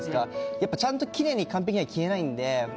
やっぱちゃんときれいに完璧には消えないんで。